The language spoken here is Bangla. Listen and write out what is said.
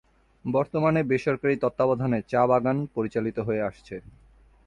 বর্তমানে বেসরকারি তত্ত্বাবধানে চা বাগান পরিচালিত হয়ে আসছে।